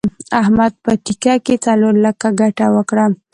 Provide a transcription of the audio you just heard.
احمد په ټېکه کې څلور لکه ګټه وکړه.